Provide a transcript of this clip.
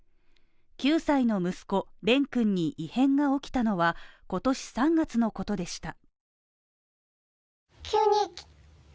９歳の息子蓮君に異変が起きたのは今年３月のことでした。